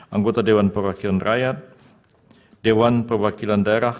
anggota dewan perwakilan rakyat dewan perwakilan daerah